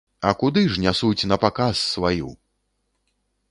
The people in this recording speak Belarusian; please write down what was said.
А куды ж нясуць напаказ сваю?